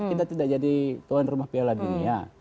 kita tidak jadi tuan rumah piala dunia